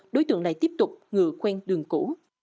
đối tượng lại tiếp tục ngựa quen đường cũ